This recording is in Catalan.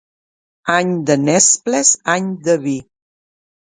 Any de nesples, any de vi.